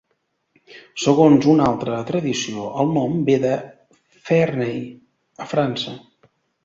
Segons una altra tradició, el nom ve de Ferney, a França.